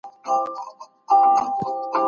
څنګه کولای سو خپل تاریخي اثار له ویجاړېدو وژغورو؟